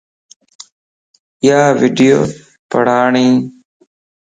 ايا ويڊيو پڙاڻيَ